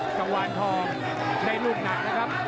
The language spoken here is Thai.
กะวางทองได้ลูบหนักนะครับ